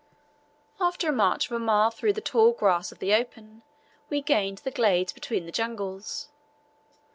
After a march of a mile through the tall grass of the open, we gained the glades between the jungles.